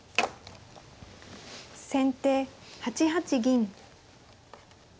先手８八銀。